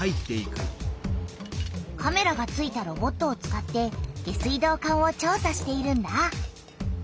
カメラがついたロボットを使って下水道管を調さしているんだ。